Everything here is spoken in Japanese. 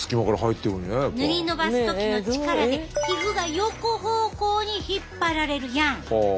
塗り伸ばす時の力で皮膚が横方向に引っ張られるやん。